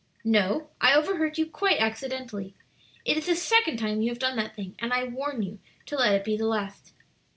"No; I overheard you quite accidentally. It is the second time you have done that thing, and I warn you to let it be the last."